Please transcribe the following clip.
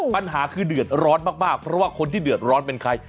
ปัญหาคือเดือดร้อนมากเพราะว่าคนที่เดือดร้อนเป็นใคร